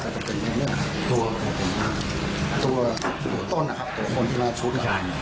ตัวต้นตัวคนที่มาชุด